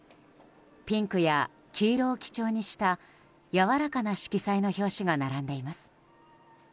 ピンクや黄色を基調にしたやわらかな色彩の表紙が並んでいます。